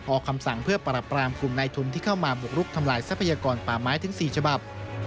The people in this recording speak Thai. ออกคำสั่งเพื่อปรับปรามกลุ่มในทุนที่เข้ามาบุกรุกทำลายทรัพยากรป่าไม้ถึง๔ฉบับ